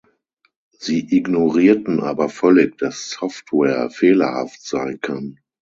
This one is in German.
Sie ignorierten aber völlig, dass Software fehlerhaft sein kann.